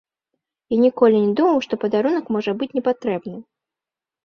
Я ніколі не думаў, што падарунак можа быць не патрэбны.